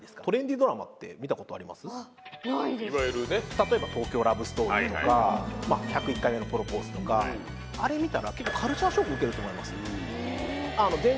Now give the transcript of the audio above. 例えば「東京ラブストーリー」とか「１０１回目のプロポーズ」とかあれ見たら結構カルチャーショック受けると思います